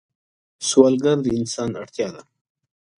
سوالګر د انسان اړتیا ده